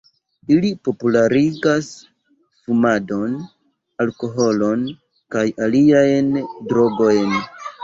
Ili popularigas fumadon, alkoholon kaj aliajn drogojn.